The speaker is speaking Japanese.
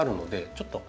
ちょっと。